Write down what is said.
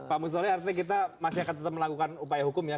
pak musdali artinya kita masih akan tetap melakukan upaya hukum ya